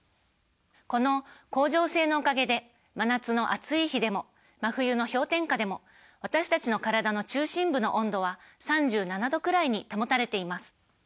この恒常性のおかげで真夏の暑い日でも真冬の氷点下でも私たちの体の中心部の温度は３７℃くらいに保たれています。